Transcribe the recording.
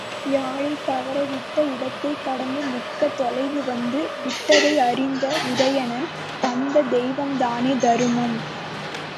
யாழைத் தவறவிட்ட இடத்தைக் கடந்து மிக்க தொலைவு வந்து விட்டதை அறிந்த உதயணன், தந்த தெய்வம்தானே தரும்!